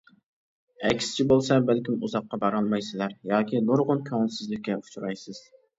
ئەكسىچە بولسا بەلكىم ئۇزاققا بارالمايسىلەر ياكى نۇرغۇن كۆڭۈلسىزلىككە ئۇچرايسىز.